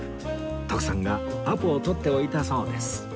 徳さんがアポを取っておいたそうです